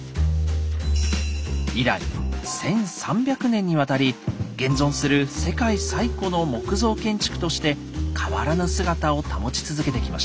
以来１，３００年にわたり現存する世界最古の木造建築として変わらぬ姿を保ち続けてきました。